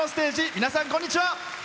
皆さん、こんにちは。